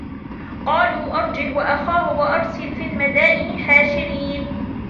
قَالُوا أَرْجِهْ وَأَخَاهُ وَأَرْسِلْ فِي الْمَدَائِنِ حَاشِرِينَ